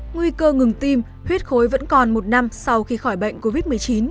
nguy cơ ngừng tim huyết khối vẫn còn một năm sau khi khỏi bệnh covid một mươi chín